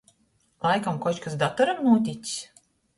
Laikam koč kas datoram nūtics?